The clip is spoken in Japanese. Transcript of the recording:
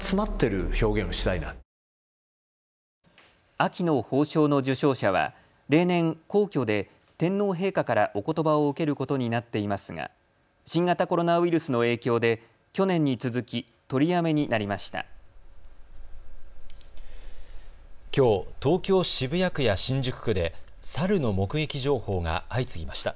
秋の褒章の受章者は例年、皇居で天皇陛下からおことばを受けることになっていますが新型コロナウイルスの影響で去年に続き取りやめになりました。